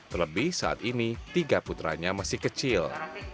terlebih saat ini tiga putranya masih kecil